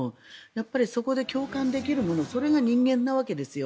やっぱりそこで共感できるものそれが人間のわけですよ。